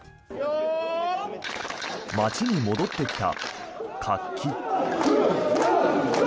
街に戻ってきた活気。